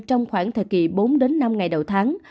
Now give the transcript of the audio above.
trong khoảng thời kỳ bốn năm ngày đầu tháng